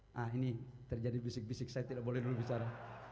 nah ini terjadi bisik bisik saya tidak boleh dulu bicara